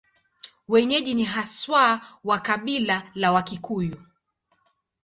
Wenyeji ni haswa wa kabila la Wakikuyu.